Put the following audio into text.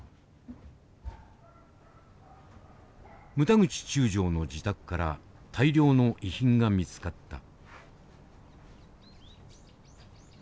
牟田口中将の自宅から大量の遺品が見つかった。